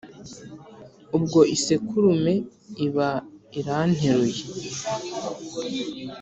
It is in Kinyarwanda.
Ubwo isekurume iba iranteruye